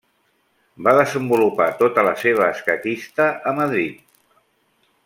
Va desenvolupar tota la seva escaquista a Madrid.